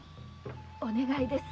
お願いです。